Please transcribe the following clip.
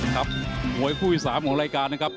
ครับมวยคู่ที่๓ของรายการนะครับ